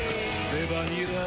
レバニラ